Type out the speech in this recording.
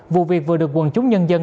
vụ việc vừa được quần chúng nhân dân